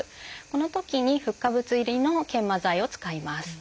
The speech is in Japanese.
このときにフッ化物入りの研磨剤を使います。